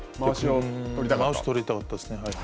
まわしをとりたかったですね。